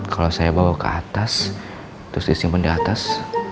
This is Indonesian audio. kalau saya bawa ke atas terus disimpan di atas